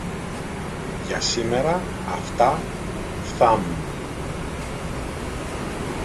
Για σήμερα αυτά φθάνουν.